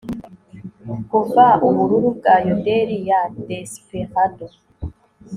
kuva ubururu bwa yodel ya desperado